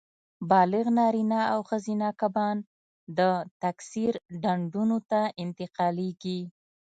بالغ نارینه او ښځینه کبان د تکثیر ډنډونو ته انتقالېږي.